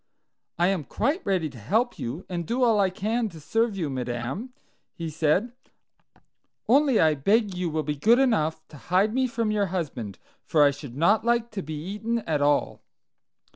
"I am quite ready to help you, and do all I can to serve you, madam," he said, "only I beg you will be good enough to hide me from your husband, for I should not like to be eaten at all."